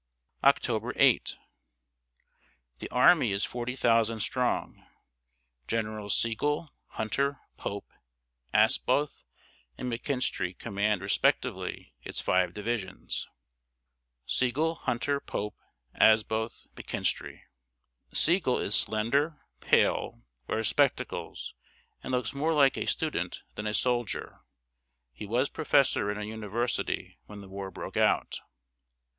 October 8. The army is forty thousand strong. Generals Sigel, Hunter, Pope, Asboth, and McKinstry command respectively its five divisions. [Sidenote: SIGEL, HUNTER, POPE, ASBOTH, MCKINSTRY.] Sigel is slender, pale, wears spectacles, and looks more like a student than a soldier. He was professor in a university when the war broke out.